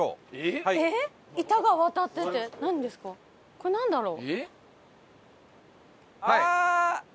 これなんだろう。